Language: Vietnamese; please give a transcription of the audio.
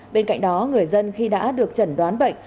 bên cạnh đó người dân khi đã được chẩn đoán bệnh